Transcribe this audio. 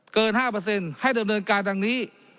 เกินห้าเปอร์เซ็นต์ให้ดำเนินการดังนี้